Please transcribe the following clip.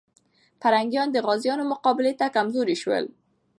پرنګیان د غازيانو مقابلې ته کمزوري سول.